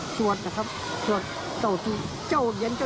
ปี๑๓ก็คงไม่เขาไปเจอ